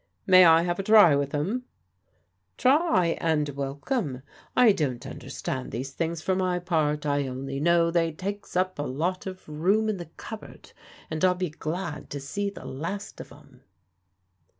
"May I have a try with 'em?" "Try, and welcome. I don't understand these things for my part: I only know they takes up a lot of room in the cupboard, and I'll be glad to see the last of 'em."